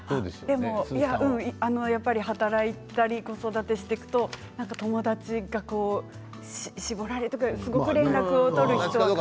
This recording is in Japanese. やっぱり、働いたり子育てしていくと友達が絞られていくというかすごく連絡を取る人と。